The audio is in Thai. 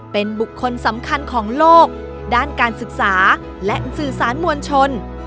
เป็นบุคคลสำคัญของโลกด้านการศึกษาและสื่อสารมวลชน